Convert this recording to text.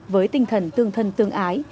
với tinh thần tương thân tương ái